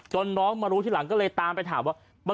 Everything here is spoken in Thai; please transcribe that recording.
น้องมารู้ทีหลังก็เลยตามไปถามว่า